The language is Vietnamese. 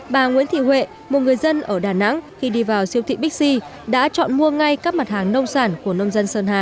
bà nguyễn thị huệ một người dân ở đà nẵng khi đi vào siêu thị bixi đã chọn mua ngay các mặt hàng nông sản của nông dân sơn hà